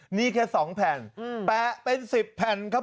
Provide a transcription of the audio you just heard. หนี้แค่สองแผ่น